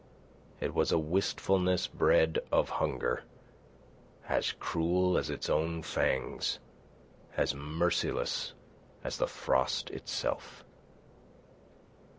It was a wistfulness bred of hunger, as cruel as its own fangs, as merciless as the frost itself.